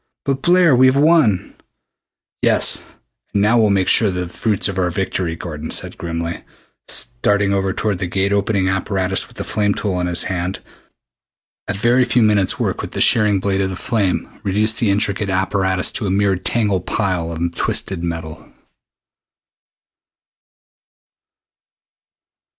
But, Blair, we've won!" "Yes, and now we'll make sure of the fruits of our victory," Gordon said grimly, starting over toward the Gate opening apparatus with the flame tool in his hand. A very few minutes' work with the shearing blade of flame reduced the intricate apparatus to a mere tangled pile of twisted metal.